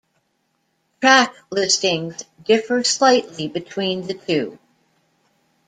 Track listings differ slightly between the two.